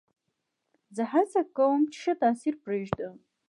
زه هڅه کوم، چي ښه تاثیر پرېږدم.